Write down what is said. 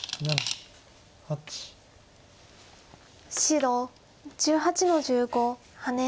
白１８の十五ハネ。